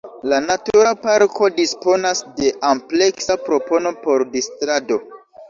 La Natura Parko disponas de ampleksa propono por distrado.